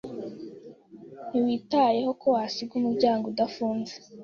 Ntiwitayeho ko wasiga umuryango udafunze.